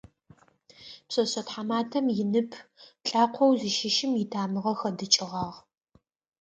Пшъэшъэ тхьаматэм инып лӏакъоу зыщыщым итамыгъэ хэдыкӏыгъагъ.